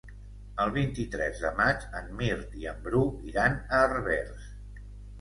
El vint-i-tres de maig en Mirt i en Bru iran a Herbers.